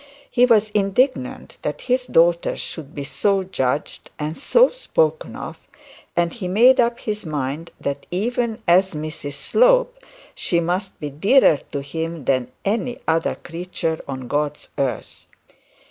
He was indignant that his daughter should be so judged and so spoken of; and, he made up his mind that even as Mrs Slope she must be dearer to him than any other creature on God's earth.